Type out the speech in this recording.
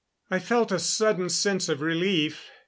I felt a sudden sense of relief.